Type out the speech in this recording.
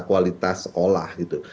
kualitas sekolah gitu